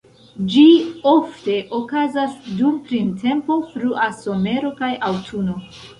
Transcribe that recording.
Ĝi ofte okazas dum printempo, frua somero kaj aŭtuno.